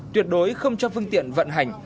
tuyệt đối không cho phương tiện vận hành